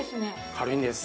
軽いんです。